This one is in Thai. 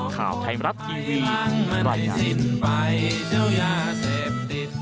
ข่าวไทยรับทีวีรายงาน